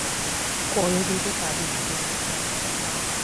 করবীরে কাবিন করুক।